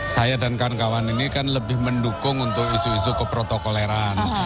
saya dan kawan kawan ini kan lebih mendukung untuk isu isu keprotokoleran